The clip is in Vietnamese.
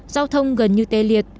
giao thông gần như tê liệt